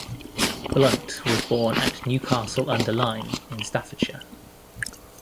Blunt was born at Newcastle-under-Lyme in Staffordshire.